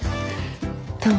どう？